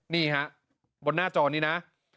นี่ฮะบนหน้าจอนี้นะ